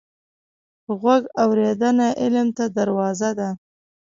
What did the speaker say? په غوږ اورېدنه علم ته دروازه ده